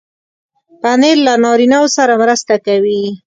پنېر له نارینو سره مرسته کوي.